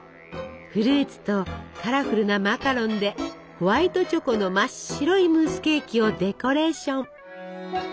フルーツとカラフルなマカロンでホワイトチョコの真っ白いムースケーキをデコレーション。